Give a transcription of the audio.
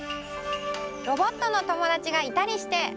ロボットのともだちがいたりして。